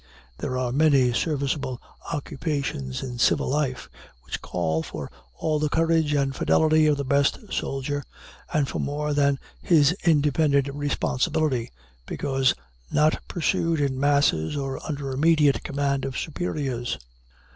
There are many serviceable occupations in civil life which call for all the courage and fidelity of the best soldier, and for more than his independent responsibility, because not pursued in masses or under the immediate command of superiors.